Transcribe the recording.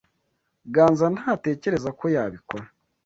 Ganza ntatekereza ko yabikora.